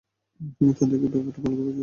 তাদেরকে, ব্যাপারটা ভাল করে বুঝিয়ে দাও।